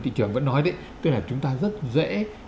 thị trường vẫn nói đấy tức là chúng ta rất dễ